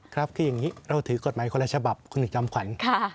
ครับคืออย่างนี้เราถือกฎหมายคนละฉบับคุณถึงจำขวัญ